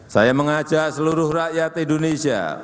saya mengajak seluruh rakyat indonesia